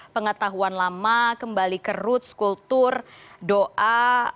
pengetahuan lama kembali ke roots kultur doa